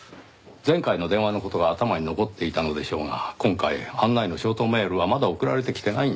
前回の電話の事が頭に残っていたのでしょうが今回案内のショートメールはまだ送られてきてないんですよ。